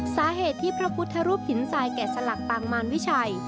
สาเหตุที่พระพุทธรูปหินทรายแก่สลักปางมารวิชัย